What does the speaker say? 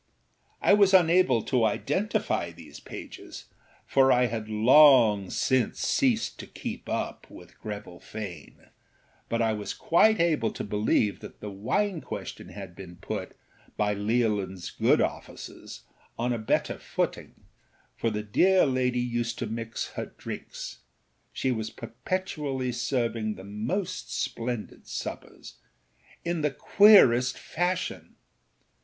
I was unable to identify these pages, for I had long since ceased to âkeep upâ with Greville Fane; but I was quite able to believe that the wine question had been put, by Leolinâs good offices, on a better footing, for the dear lady used to mix her drinks (she was perpetually serving the most splendid suppers) in the queerest fashion.